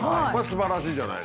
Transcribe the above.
すばらしい。